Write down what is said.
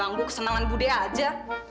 ganggu kesenangan buddha aja